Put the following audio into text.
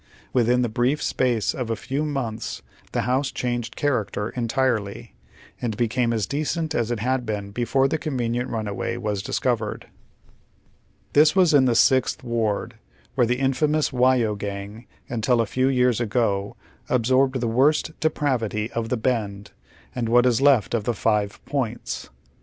Within the brief space of a few months the house changed character entirely, and became as decent as it had been before the convenient runway was discovered. This was in the Sixth Ward, wiiei'e the infamous Whyo Gang until a few years ago absorbed the worst depravity of the Bend and what is left of the Five Points.